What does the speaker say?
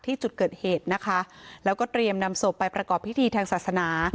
ที่จุดเกิดเหตุนะคะแล้วก็เตรียมนำศพไปประกอบพิธีทางศาสนา